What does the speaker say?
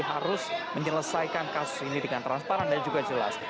harus menyelesaikan kasus ini dengan transparan dan juga jelas